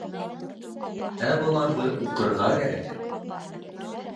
Ә быларҙы уҡырға кәрәк.